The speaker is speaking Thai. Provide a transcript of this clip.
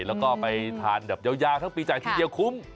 แล้วก็ไปทานแบบยาวทั้งปีจ่ายทีเดียวคุ้ม